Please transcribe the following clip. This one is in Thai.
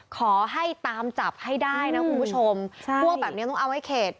ขอให้ตามจับให้ได้นะคุณผู้ชมใช่พวกแบบนี้ต้องเอาไว้เข็ด